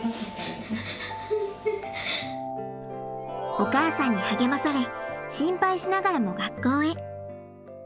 お母さんに励まされ心配しながらも学校へ。